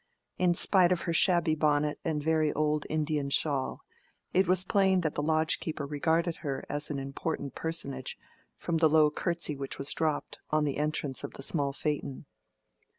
In spite of her shabby bonnet and very old Indian shawl, it was plain that the lodge keeper regarded her as an important personage, from the low curtsy which was dropped on the entrance of the small phaeton.